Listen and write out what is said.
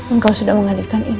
engkau sudah menghadirkan imam